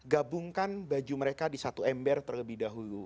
gabungkan baju mereka di satu ember terlebih dahulu